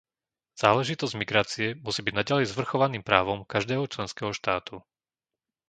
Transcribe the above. Záležitosť migrácie musí byť naďalej zvrchovaným právom každého členského štátu.